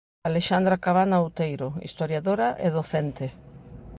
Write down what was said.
Alexandra Cabana Outeiro, historiadora e docente.